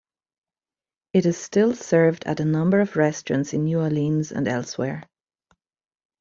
It is still served at a number of restaurants in New Orleans and elsewhere.